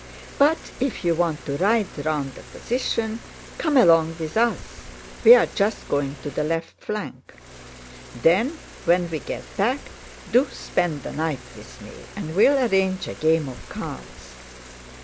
But if you want to ride round the position, come along with us. We are just going to the left flank. Then when we get back, do spend the night with me and we'll arrange a game of cards.